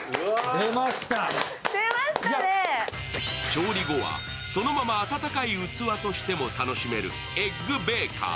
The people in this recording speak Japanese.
調理後は、そのまま温かい器としても楽しめるエッグベーカー。